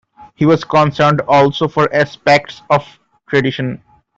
He was concerned also for aspects of tradition.